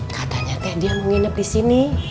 katanya teh dia mau nginep disini